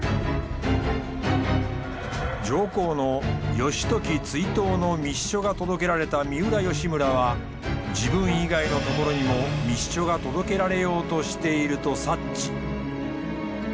上皇の義時追討の密書が届けられた三浦義村は自分以外のところにも密書が届けられようとしていると察知。